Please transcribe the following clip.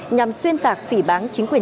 nhằm xuyên tạc phỉ bán chính quyền